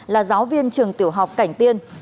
là giáo viên trường tiểu học cảnh tiên